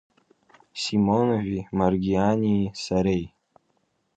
Симонови, Маргиании, сареи.